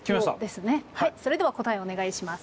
はいそれでは答えお願いします。